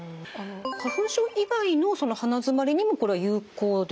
花粉症以外の鼻づまりにもこれは有効ですか？